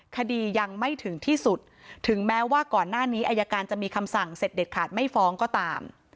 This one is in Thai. คดียังไม่ถึงที่สุดถึงแม้ว่าก่อนหน้านี้อายการจะมีคำสั่งเสร็จเด็ดขาดไม่ฟ้องก็ตาม